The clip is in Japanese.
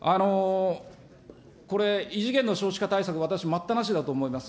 これ、異次元の少子化対策、私、待ったなしだと思います。